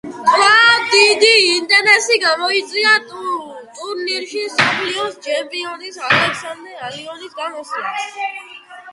კვლავ დიდი ინტერესი გამოწვია ტურნირში მსოფლიოს ჩემპიონის ალექსანდრე ალიოხინის გამოსვლა.